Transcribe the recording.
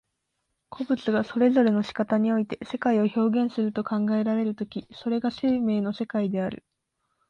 個物がそれぞれの仕方において世界を表現すると考えられる時、それが生命の世界である。